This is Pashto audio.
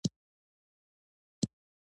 دلته د هیواد په اساسي قانون بیا کتنه کیږي.